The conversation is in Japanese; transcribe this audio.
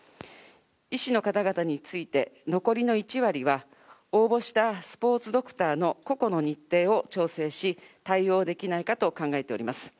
医師の方々について、残りの１割は応募したスポーツドクターの個々の日程を調整し、対応できないかと考えております。